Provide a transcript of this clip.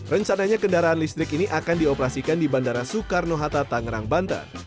rencananya kendaraan listrik ini akan dioperasikan di bandara soekarno hatta tangerang banten